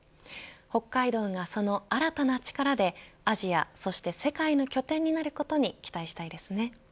北海道がその新たな力でアジアそして世界の拠点になることに期待したいですね。